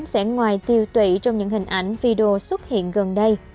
sẽ ngoài tiêu tụy trong những hình ảnh video xuất hiện gần đây